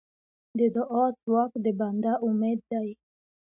د دعا ځواک د بنده امید دی.